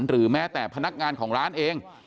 หรือแม้แต่พนักงานของร้านเอง